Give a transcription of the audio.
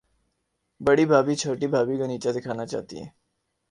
بڑی بھابھی، چھوٹی بھابھی کو نیچا دکھانا چاہتی ہے۔